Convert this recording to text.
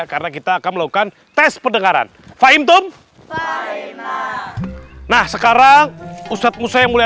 karena kita akan melakukan tes perdengaran fahim tum nah sekarang ustadz musa yang mulai